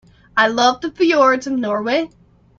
I love the fjords of Norway.